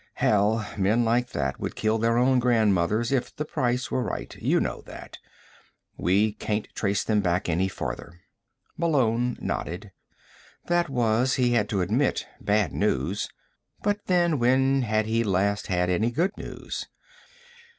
"Hell, men like that would kill their own grandmothers if the price were right you know that. We can't trace them back any farther." Malone nodded. That was, he had to admit, bad news. But then, when had he last had any good news?